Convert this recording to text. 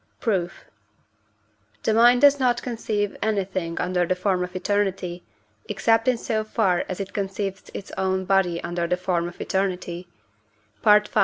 Proof. The mind does not conceive anything under the form of eternity, except in so far as it conceives its own body under the form of eternity (V.